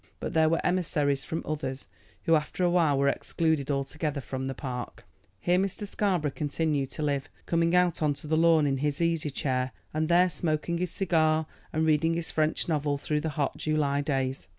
But there were emissaries from others, who after a while were excluded altogether from the park. Here Mr. Scarborough continued to live, coming out on to the lawn in his easy chair, and there smoking his cigar and reading his French novel through the hot July days.